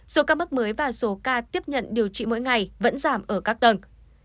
số ca mắc mới và số ca tiếp nhận điều trị mỗi ngày vẫn giảm ở các tầng